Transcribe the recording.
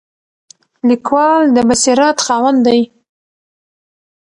لیکوال د بصیرت خاوند دی.